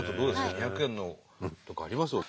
２００円のとかあります？